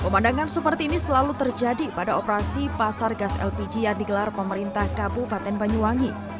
pemandangan seperti ini selalu terjadi pada operasi pasar gas lpg yang digelar pemerintah kabupaten banyuwangi